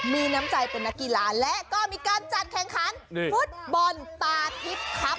มีน้ำใจเป็นนักกีฬาและก็มีการจัดแข่งขันฟุตบอลตาทิพย์ครับ